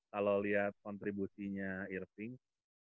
kalau lihat kontribusinya irving